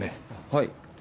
はい。